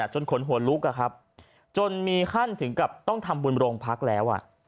ขนหัวลุกจนมีขั้นถึงกับต้องทำบุญโรงพักแล้ว